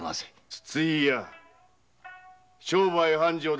筒井屋商売繁盛で結構。